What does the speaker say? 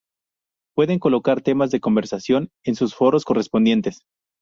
Pueden colocar temas de conversación en sus foros correspondientes.